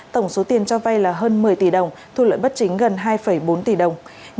tổng số tiền cho vay là hơn một mươi tỷ đồng thu lợi bất chính gần hai bốn tỷ đồng